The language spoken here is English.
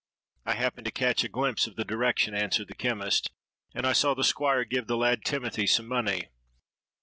'—'I happened to catch a glimpse of the direction,' answered the chemist, 'and I saw the Squire give the lad Timothy some money.'